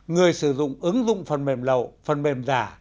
người sử dụng ứng dụng phần mềm lậu phần mềm giả